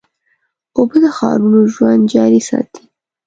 اوبه د ښارونو ژوند جاري ساتي.